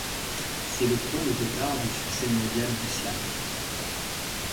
C'est le point de départ du succès mondial du slam.